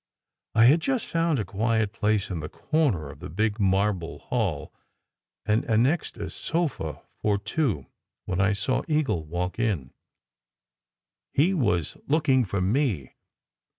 I had just found a quiet place in the corner of the big marble hall, and annexed a sofa for two, when I saw Eagle walk in. He was looking for me.